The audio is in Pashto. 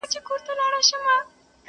له دې مقامه دا دوه مخي په شړلو ارزي،